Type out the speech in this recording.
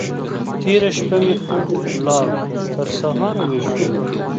تېره شپه مې خوب ولاړ؛ تر سهار ويښ وم.